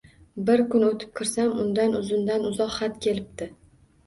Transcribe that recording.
Bir kun o`tib kirsam, undan uzundan-uzoq xat kelibdi